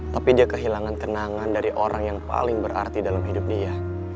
tapi dia kehilangan kenangan dari orang yang paling berarti dalam hidup dia